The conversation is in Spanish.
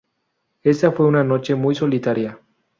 Esa fue una noche muy solitaria".